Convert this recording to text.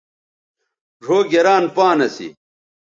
ڙھؤ گران پان اسی